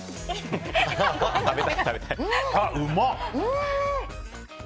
あ、うまっ！